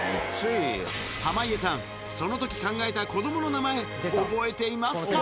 濱家さん、そのとき考えた子どもの名前、覚えていますか？